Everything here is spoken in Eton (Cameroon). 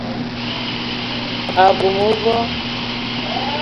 A bug mevo